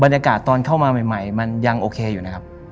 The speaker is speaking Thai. ตอนเข้ามาใหม่มันยังโอเคอยู่นะครับ